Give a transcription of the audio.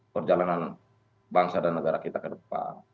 perjalanan bangsa dan negara kita ke depan